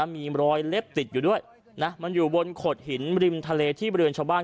มีรอยเล็บติดอยู่ด้วยนะมันอยู่บนโขดหินริมทะเลที่บริเวณชาวบ้าน